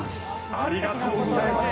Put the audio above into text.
ありがとうございます。